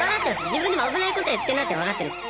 自分でも危ないことやってんなって分かってるんです。